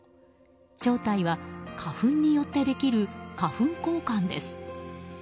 正体は花粉によってできる花粉光環です。